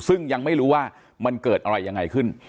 ซึ่งยังไม่รู้ว่ามันเกิดอะไรยังไงขึ้น